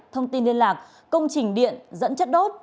thông tin liên lạc công trình điện dẫn chất đốt